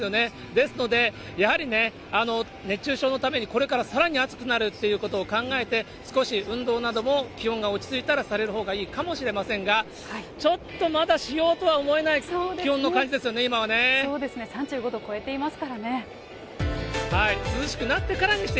ですので、やはり、熱中症のために、これからさらに暑くなるっていうことを考えて、少し運動なども気温が落ち着いたらされるほうがいいかもしれませんが、ちょっと、まだしようとは思えない気温の感じですよね、ダージリンティーは紅茶のシャンパンと呼ばれています。